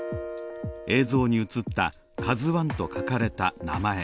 映像に映った「ＫＡＺＵⅠ」と書かれた名前。